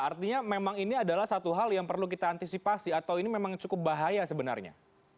artinya memang ini adalah satu hal yang perlu kita antisipasi atau ini memang cukup bahaya sebenarnya